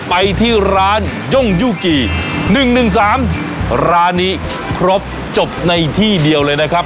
ไปที่ร้านย่องยูกีหนึ่งหนึ่งสามร้านนี้ครบจบในที่เดียวเลยนะครับ